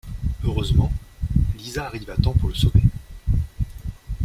Heureusement, Lisa arrive à temps pour le sauver.